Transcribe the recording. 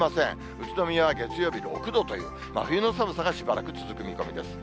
宇都宮は月曜日６度という、真冬の寒さがしばらく続く見込みです。